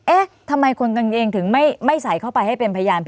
เอ๊ะทำไมคนกางเกงถึงไม่ใส่เข้าไปให้เป็นพยาน